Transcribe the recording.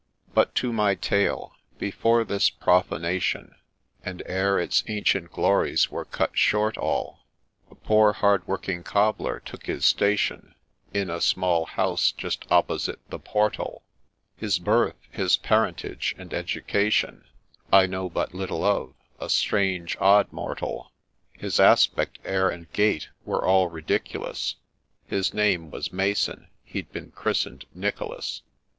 But to my tale. — Before this profanation, And ere its ancient glories were cut short all, A poor hard working Cobbler took his station In a small house, just opposite the portal ; His birth, his parentage, and education, I know but little of — a strange, odd mortal ; His aspect, air, and gait, were all ridiculous ; His name was Mason — he'd been christened Nicholas.